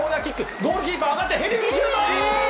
ゴールキーパーあがって、ヘディングシュート。